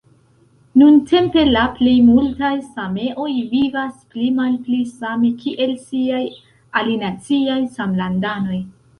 Nuntempe la plej multaj sameoj vivas pli-malpli same kiel siaj alinaciaj samlandanoj.